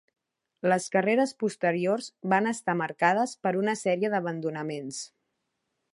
Les carreres posteriors van estar marcades per una sèrie d'abandonaments.